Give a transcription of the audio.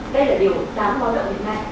đây là điều đáng bóng đậm đến nay